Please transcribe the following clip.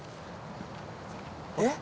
えっ？